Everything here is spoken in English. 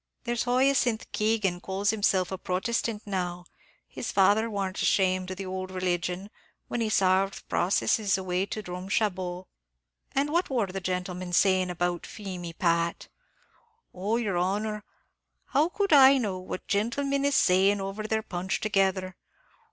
There's Hyacinth Keegan calls himself a Protestant now; his father warn't ashamed of the ould religion, when he sarved processes away to Drumshambo." "And what wor the gentlemen saying about Feemy, Pat?" "Oh, yer honor, how could I know what gentlemin is saying over their punch, together?